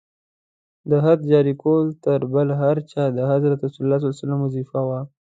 د حد جاري کول تر بل هر چا د حضرت رسول ص وظیفه وه.